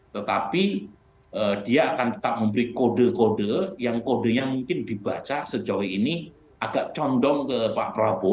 tetapi dia akan tetap memberi kode kode yang kodenya mungkin dibaca sejauh ini agak condong ke pak prabowo